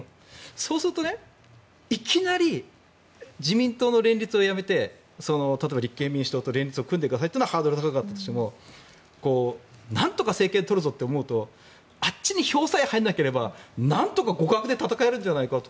そうすると、いきなり自民党の連立をやめて例えば、立憲民主党と連立を組んでくださいというのはハードルが高かったとしてもなんとか政権を取るぞと思うとあっちに票さえ入らなければなんとか互角で戦えるのではと。